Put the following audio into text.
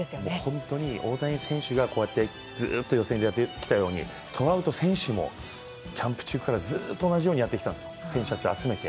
本当に大谷選手がずっと予選でやってきたように、トラウト選手もキャンプ中からずっと同じようにやってきた、選手たちを集めて。